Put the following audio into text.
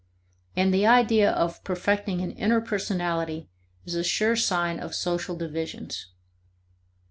And the idea of perfecting an "inner" personality is a sure sign of social divisions.